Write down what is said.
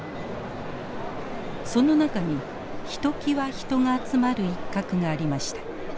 その中にひときわ人が集まる一角がありました。